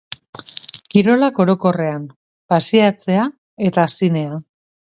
Kirolak orokorrean, pasiatzea eta zinea.